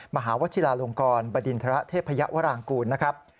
มหาวชิลาลงกรบดินทรเทพยวรางกูลนะครับ